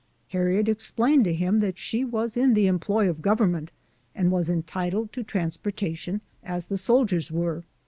Harriet explained to him that she was in the employ of Government, and was entitled to transportation as the soldiers were.